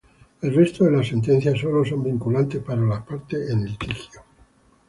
El resto de las sentencias sólo son vinculantes para las partes en litigio.